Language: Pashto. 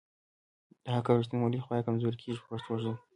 د حق او ریښتیولۍ خوا یې کمزورې کیږي په پښتو ژبه.